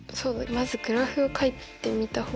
まずグラフをかいてみた方がいいかな。